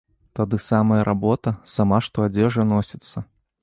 Тады самая работа, сама што адзежа носіцца.